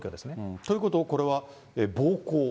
ということは、これは暴行？